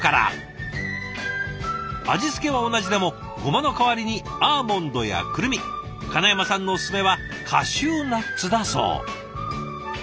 味付けは同じでもごまの代わりにアーモンドやくるみ金山さんのおすすめはカシューナッツだそう。